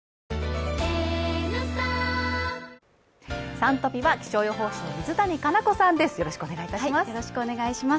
「Ｓｕｎトピ」は気象予報士の水谷花那子さんです。